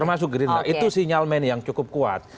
termasuk gerindra itu sinyal main yang cukup kuat